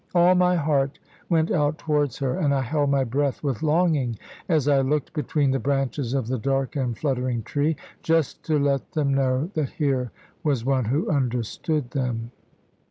All my heart went out towards her, and I held my breath with longing (as I looked between the branches of the dark and fluttering tree), just to let them know that here was one who understood them.